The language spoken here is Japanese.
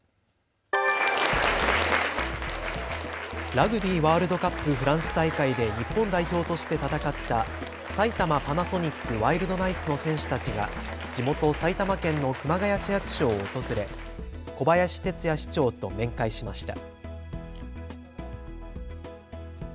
ラグビーワールドカップフランス大会で日本代表として戦った埼玉パナソニックワイルドナイツの選手たちが地元、埼玉県の熊谷市役所を訪れ小林哲也市長と面会しました。